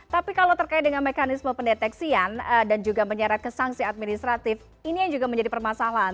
tapi kalau terkait dengan mekanisme pendeteksian dan juga menyeret ke sanksi administratif ini yang juga menjadi permasalahan